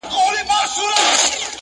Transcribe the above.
د خپل رقیب کړو نیمه خوا لښکري.!